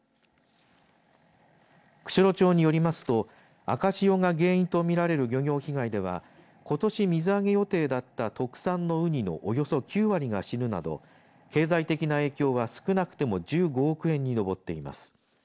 釧路町によりますと赤潮が原因と見られる漁業被害ではことし水揚げ予定だった特産のウニのおよそ９割が死ぬなど経済的な影響は少なくても１５億円に上っています。